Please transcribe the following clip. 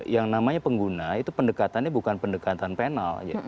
yang namanya pengguna itu pendekatannya bukan pendekatan penal